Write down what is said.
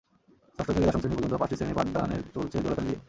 ষষ্ঠ থেকে দশম শ্রেণি পর্যন্ত পাঁচটি শ্রেণির পাঠদানের চলছে জোড়াতালি দিয়ে।